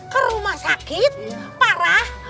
ke rumah sakit parah